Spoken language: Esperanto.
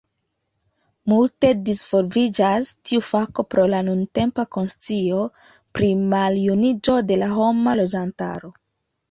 Multe disvolviĝas tiu fako pro la nuntempa konscio pri maljuniĝo de la homa loĝantaro.